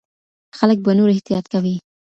خلک به نور احتیاط کوي.